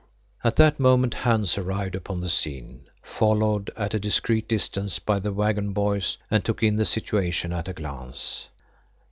At that moment Hans arrived upon the scene, followed at a discreet distance by the waggon boys, and took in the situation at a glance.